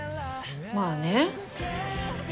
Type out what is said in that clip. まあね。